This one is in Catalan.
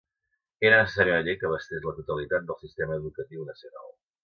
Era necessària una llei que abastés la totalitat del sistema educatiu nacional.